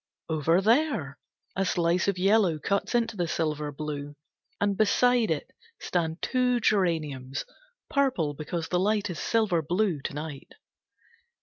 Over there, a slice of yellow cuts into the silver blue, and beside it stand two geraniums, purple because the light is silver blue, to night.